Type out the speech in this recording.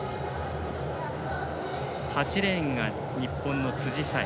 ８レーンが日本の辻沙絵。